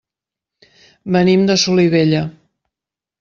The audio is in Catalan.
Venim de Solivella.